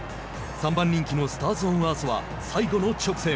３番人気のスターズオンアースは最後の直線。